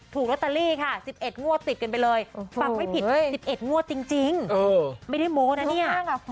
ถูกลอตเตอรี่ค่ะ๑๑งวดติดกันไปเลยฟังไม่ผิด๑๑งวดจริงไม่ได้โม้นะเนี่ย